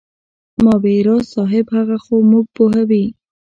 ما وې راز صاحب هغه خو موږ پوهوي.